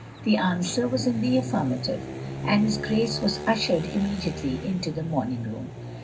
The answer was in the affirmative, and his Grace was tishered immediately into the morning room.